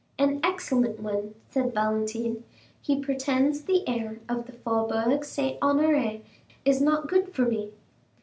"An excellent one," said Valentine. "He pretends the air of the Faubourg Saint Honoré is not good for me."